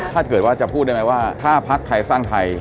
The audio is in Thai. ถ้าเกิดว่าจะพูดได้ไหมว่าถ้าพักไทยสร้างไทย